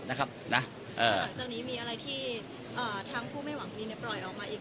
นะครับนะเอ่อหลังจากนี้มีอะไรที่เอ่อทั้งผู้ไม่หวังดีในปล่อยออกมาอีก